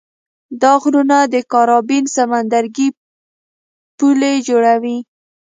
دا غرونه د کارابین سمندرګي پولې جوړوي.